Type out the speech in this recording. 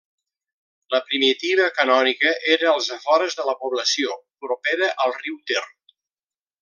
La primitiva canònica era als afores de la població, propera al riu Ter.